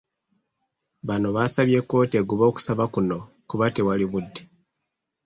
Bano basabye kkooti egobe okusaba kuno kuba tewali budde.